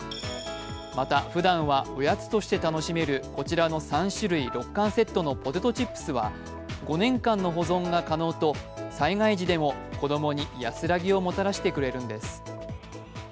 またふだんはおやつとして楽しめるこちらの３種類６缶セットのポテトチップスは５年間の保存が可能と災害時でも子供に安らぎをもたらしてくれるんです。